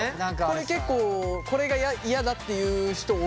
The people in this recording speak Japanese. これ結構これが嫌だっていう人多いよね。